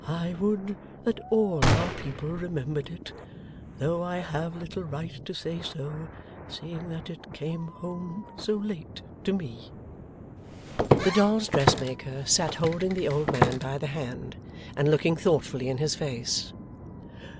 I would that all our people remembered it! Though I have little right to say so, seeing that it came home so late to me.' The dolls' dressmaker sat holding the old man by the hand, and looking thoughtfully in his face.